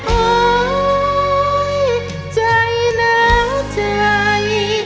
โอ๊ยใจน้ำใจ